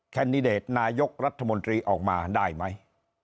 แคนดิเดตนายกรัฐมนตรีออกมาได้ไหม